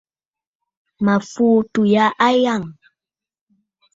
Mǝ̀ fùu àtû yâ natt.